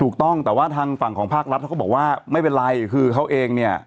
ถูกต้องแต่ว่าทางฝั่งของภาครัฐเขาก็บอกว่าไม่เป็นไรคือเขาเองเนี่ย